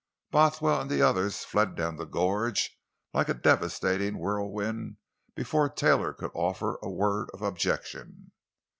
Bothwell and the others fled down the gorge like a devastating whirlwind before Taylor could offer a word of objection.